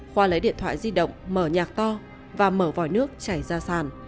khoa lấy điện thoại di động mở nhạc to và mở vòi nước chảy ra sàn